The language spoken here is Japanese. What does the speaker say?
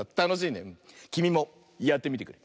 きみもやってみてくれ。